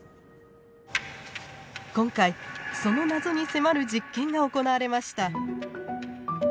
今回その謎に迫る実験が行われました。